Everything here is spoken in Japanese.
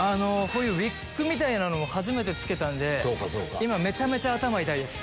ウイッグみたいなのも初めて着けたんで今めちゃめちゃ頭痛いです。